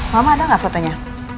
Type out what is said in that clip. mama ada nggak fotonya